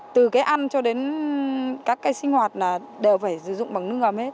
từ cái ăn cho đến các cái sinh hoạt là đều phải sử dụng bằng nước ngầm hết